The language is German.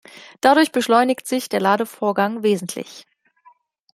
Dadurch beschleunigt sich der Ladevorgang wesentlich.